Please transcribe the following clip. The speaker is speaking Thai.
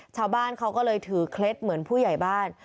ชาวบ้านเขาก็เลยถือเคล็ดเหมือนผู้ใหญ่บ้าน